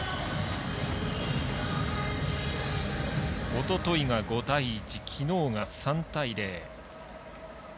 おとといが５対１きのうが３対０。